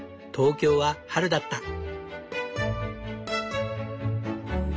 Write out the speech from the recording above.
東京は春だった。